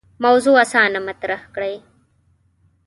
موضوع اسانه مطرح کړي.